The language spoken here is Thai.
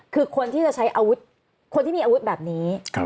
คือคนที่จะใช้อาวุธคนที่มีอาวุธแบบนี้